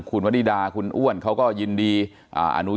คุณวนิดาคุณอ้วนเขาก็ยินดีอ่า